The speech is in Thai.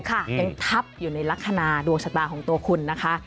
ยังทับอยู่ในลักษณะดวงชะตาของตัวคุณนะคะ